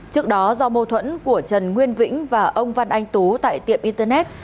trước đó do mâu thuẫn của trần nguyên vĩnh và ông văn anh tú tại tiệm internet